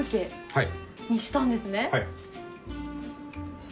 はい。